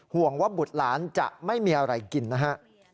ห่วงว่าบุตรหลานจะไม่มีอะไรกินนะฮะ